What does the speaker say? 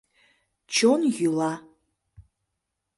Чон йӱла.